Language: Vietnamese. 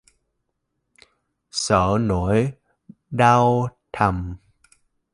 Sợ nỗi đau thầm